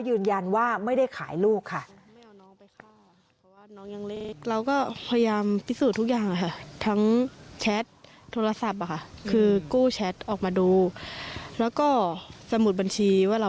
ยืนยันว่าไม่ได้ขายลูกค่ะ